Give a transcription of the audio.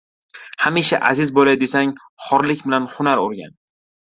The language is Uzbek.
— Hamisha aziz bo‘lay desang, xorlik bilan hunar o‘rgan.